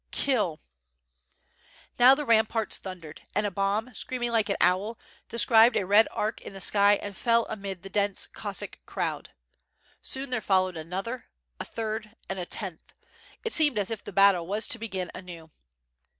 kilir Now the ramparts thundered, and a bomb, screaming like an owl, described a red arc in the sky and fell amid the dense Cossack crowd. Soon there followed another, a third, and a tenth. It seemed as if the battle was to begin anew.